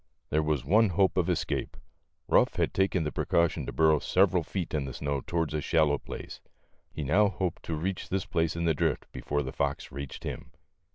There was one hope of escape. Ruff had taken the precaution to burrow several feet in the snow towards a shallow place ; he now hoped to reach this place in the drift before the fox reached him.